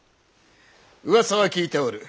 うわさは聞いておる。